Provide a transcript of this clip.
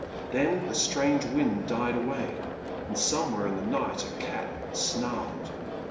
Then the strange wind died away, and somewhere in the night a cat snarled.